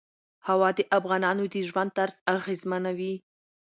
هوا د افغانانو د ژوند طرز اغېزمنوي.